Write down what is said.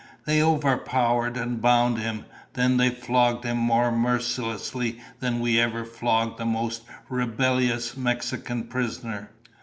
They overpowered and bound him. Then they flogged him more mercilessly than we ever flogged the most rebellious Mexican prisoner.